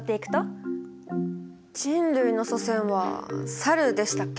人類の祖先はサルでしたっけ？